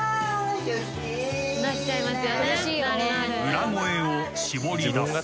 ［裏声を絞り出す］